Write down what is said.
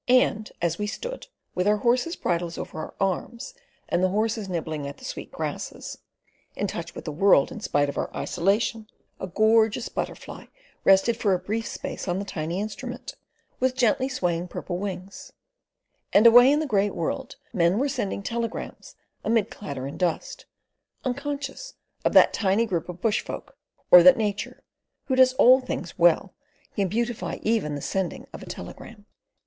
And as we stood, with our horses' bridles over our arms and the horses nibbling at the sweet grasses, in touch with the world in spite of our isolation, a gorgeous butterfly rested for a brief space on the tiny instrument, with gently swaying purple wings, and away in the great world men were sending telegrams amid clatter and dust, unconscious of that tiny group of bushfolk, or that Nature, who does all things well, can beautify even the sending of a telegram.